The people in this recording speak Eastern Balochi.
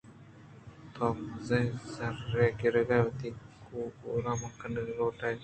تو مزنیں زرّے گِرگ ءُوتی کوٛار ءَ ماں کنگ لوٹ اِت